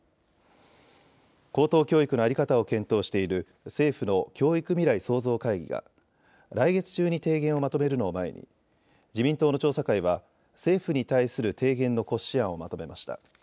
高等教育の在り方を検討している政府の教育未来創造会議が来月中に提言をまとめるのを前に自民党の調査会は政府に対する提言の骨子案をまとめました。